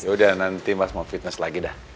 yaudah nanti mas mau fitness lagi dah